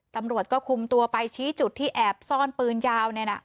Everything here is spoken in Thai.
ตำรวจก็คุมตัวไปชี้จุดที่แอบซ่อนปืนยาว